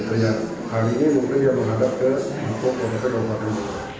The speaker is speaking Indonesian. hari ini mungkin dia menghadap ke pemoteng kabupaten